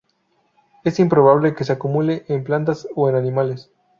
Es improbable que se acumule en plantas o en animales.